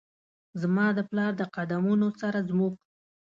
زما د پلار د قد مونو سره زموږ،